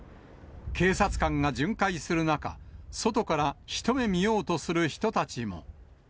警察官が巡回する中、外から一目見ようとする人たちも。